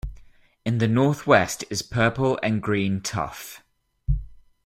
In the north west is purple and green tuff.